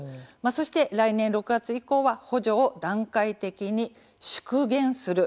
そして来年６月以降は補助を段階的に縮減する。